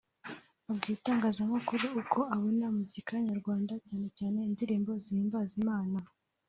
Abwira itangazamakuru uko abona muzika nyarwanda cyane cyane indirimbo zihimbaza Imana